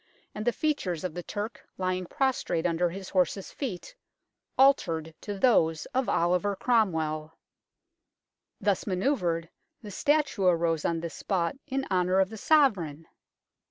and the features of the Turk lying prostrate under his horse's feet altered to those of Oliver Cromwell. Thus manoeuvred, the statue arose on this spot in honour of the Sovereign